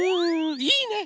いいね。